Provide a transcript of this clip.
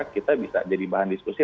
kita bisa jadi bahan diskusi